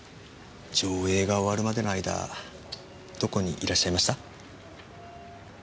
上映が終わるまでの間どこにいらっしゃいました？